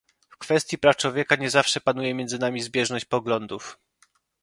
W kwestii praw człowieka nie zawsze panuje między nami zbieżność poglądów